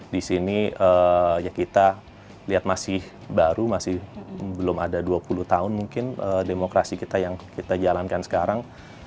di sini ya kita lihat masih baru masih belum ada dua puluh tahun mungkin demokrasi kita yang kita jalankan sekarang